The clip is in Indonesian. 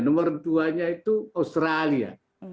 nomor duanya itu australia